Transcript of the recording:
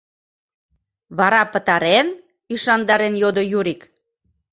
— Вара пытарен? — ӱшандарен йодо Юрик.